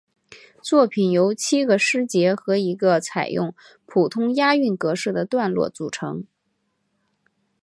作品由七个诗节和一个采用普通押韵格式的段落组成。